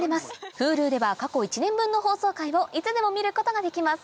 Ｈｕｌｕでは過去１年分の放送回をいつでも見ることができます